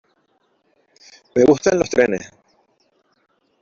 Me gustan los trenes.